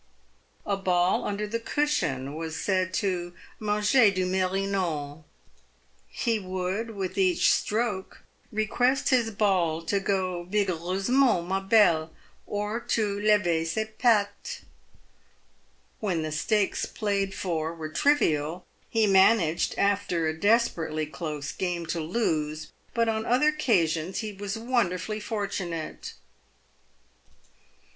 A ball under the cushion was said to " man ger du merinos" He would with each stroke request his ball to go " vigoureusement ma belle" or to " lever ses pattes." When the stakes played for were trivial, he managed after a desperately close game to lose, but on other occasions he was wonderfully fortunate.